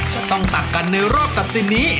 จะต้องตักกันในรอบตัดสินนี้